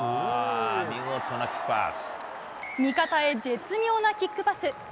味方へ絶妙なキックパス。